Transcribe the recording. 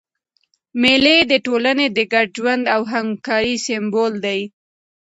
مېلې د ټولني د ګډ ژوند او همکارۍ سېمبول دي.